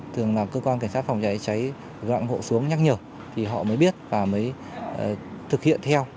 thường là cơ quan cảnh sát phòng cháy cháy gọi hộ xuống nhắc nhở thì họ mới biết và mới thực hiện theo